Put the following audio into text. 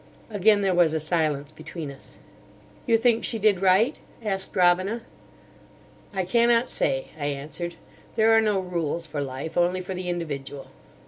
Again there was a silence between us. "You think she did right?" asked Robina. "I cannot say," I answered; "there are no rules for Life, only for the individual."